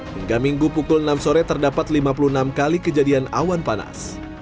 hingga minggu pukul enam sore terdapat lima puluh enam kali kejadian awan panas